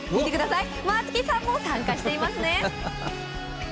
松木さんも参加していますね！